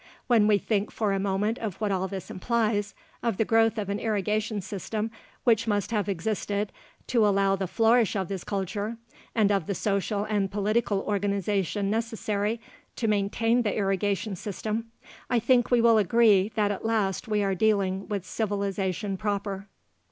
When we think for a moment of what all this implies, of the growth of an irrigation system which must have existed to allow the flourish of this culture, and of the social and political organization necessary to maintain the irrigation system, I think we will agree that at last we are dealing with civilization proper.